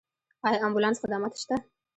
آیا امبولانس خدمات شته؟